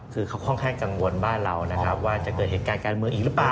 คือเขาค่อนข้างกังวลบ้านเรานะครับว่าจะเกิดเหตุการณ์การเมืองอีกหรือเปล่า